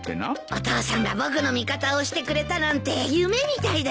お父さんが僕の味方をしてくれたなんて夢みたいだよ。